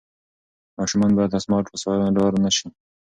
ماشومان باید له سمارټ وسایلو ډار نه سي.